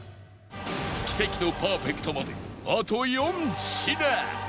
奇跡のパーフェクトまであと４品